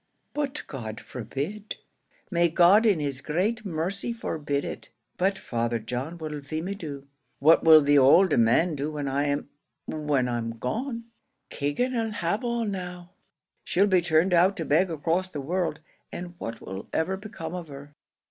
But God forbid may God in his great mercy forbid it." "But, Father John, what'll Feemy do? what will the owld man do when I am when I'm gone? Keegan 'll have all now. She'll be turned out to beg across the world; and what'll ever become of her?"